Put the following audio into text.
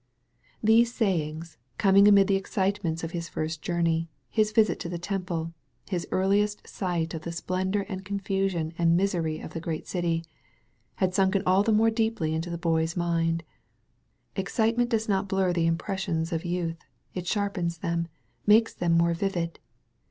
These sayings, coming amid the excitements of his first journey, his visit to the Temple, his earliest sight of the splendor an J confusion and miseiy of the great city, had sunken all the more deeply into the Boy's mind. Excitement does not blur the impressions of youth; it sharpens them, makes them more vivid.